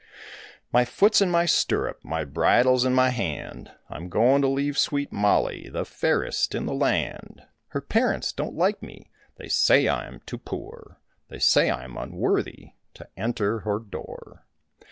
My foot's in my stirrup, my bridle's in my hand, I'm going to leave sweet Mollie, the fairest in the land. Her parents don't like me, they say I'm too poor, They say I'm unworthy to enter her door.